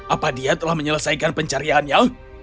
apa dia telah menyelesaikan pencariannya